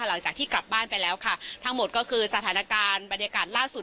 หลังจากที่กลับบ้านไปแล้วค่ะทั้งหมดก็คือสถานการณ์บรรยากาศล่าสุด